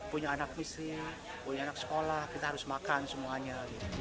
punya anak istri punya anak sekolah kita harus makan semuanya